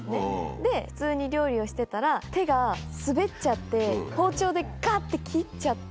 で、普通に料理をしてたら、手が滑っちゃって、包丁でがって切っちゃって。